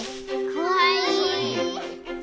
かわいい！